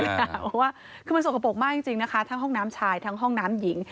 เพราะว่าคือมันสกปรกมากจริงนะคะทั้งห้องน้ำชายทั้งห้องน้ำหญิง